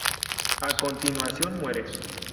A continuación muere.